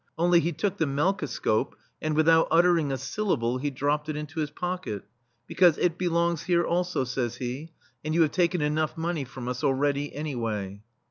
Only, he took the melkoscope, and without ut tering a syllable, he dropped it into his pocket, "because it belongs here, also," says he, "and you have taken enough money from us already, anyway."